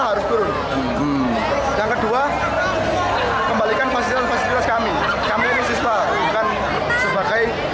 yang kedua kembalikan fasilitas fasilitas kami